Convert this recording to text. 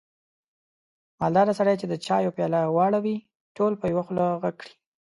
مالداره سړی چې د چایو پیاله واړوي، ټول په یوه خوله غږ کړي.